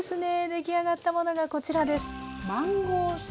出来上がったものがこちらです。